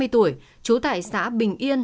ba mươi tuổi trú tại xã bình yên